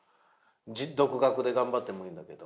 独学で頑張ってもいいんだけど。